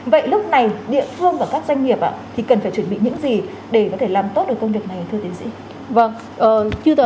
vậy lúc này địa phương và các doanh nghiệp